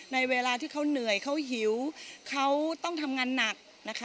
เวลาที่เขาเหนื่อยเขาหิวเขาต้องทำงานหนักนะคะ